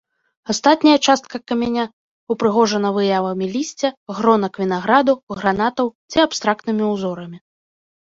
Астатняя частка каменя ўпрыгожана выявамі лісця, гронак вінаграду, гранатаў ці абстрактнымі ўзорамі.